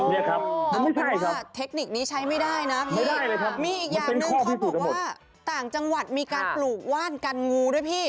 เนี่ยครับมันไม่ใช่ครับไม่ได้เลยครับมันเป็นข้อที่สูตรว่าเทคนิคนี้ใช้ไม่ได้นะพี่